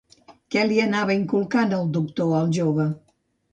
Què li anava inculcant el doctor al jove?